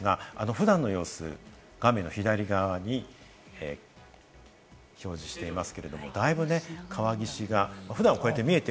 普段の様子、画面の左側に表示しています。